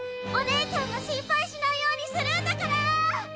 お姉ちゃんが心配しないようにするんだからあ！